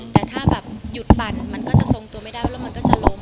แต่ถ้าแบบหยุดปั่นมันก็จะทรงตัวไม่ได้แล้วมันก็จะล้ม